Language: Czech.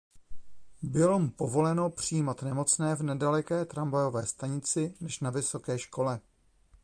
Bylo mu povoleno přijímat nemocné v nedaleké tramvajové stanici než na vysoké škole.